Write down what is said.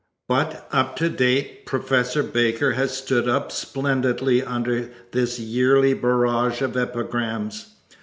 But up to date Professor Baker has stood up splendidly under this yearly barrage of epigrams.